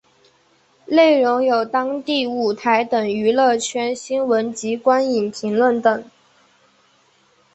内容有当地舞台等娱乐圈新闻及观影评论等。